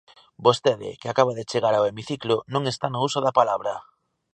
Vostede, que acaba de chegar ao hemiciclo, non está no uso da palabra.